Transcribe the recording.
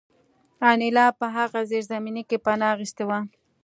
انیلا په هغه زیرزمینۍ کې پناه اخیستې وه